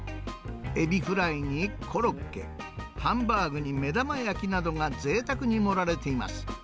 エビフライにコロッケ、ハンバーグに目玉焼きなどがぜいたくに盛られています。